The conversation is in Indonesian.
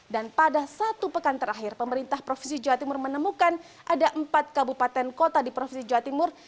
dan pada satu pekan terakhir pemerintah provinsi jawa timur menemukan ada empat kabupaten kota di provinsi jawa timur